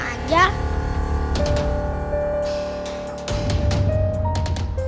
kalian kemana sih